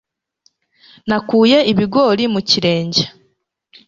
Nakuye ibigori mu kirenge.